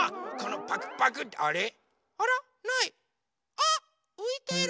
あっういてる！